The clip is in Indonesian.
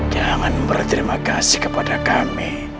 jangan berterima kasih kepada kami